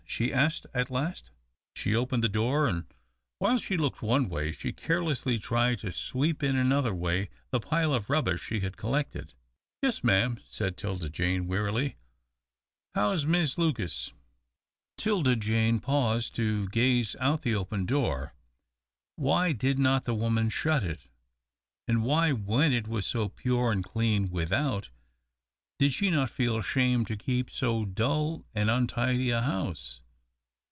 she asked, at last. She had opened the door, and while she looked one way she carelessly tried to sweep in another way the pile of rubbish she had collected. "Yes, m'am," said 'Tilda Jane, wearily. "How's Mis' Lucas?" 'Tilda Jane paused to gaze out the open door. Why did not the woman shut it? And why, when it was so pure and clean without, did she not feel ashamed to keep so dull and untidy a house?